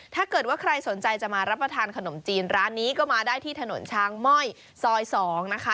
ถ้าเกิดว่าใครสนใจจะมารับประทานขนมจีนร้านนี้ก็มาได้ที่ถนนช้างม่อยซอย๒นะคะ